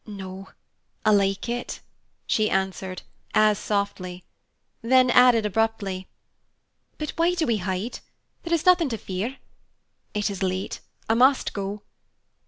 "No, I like it," she answered, as softly, then added abruptly, "But why do we hide? There is nothing to fear. It is late. I must go.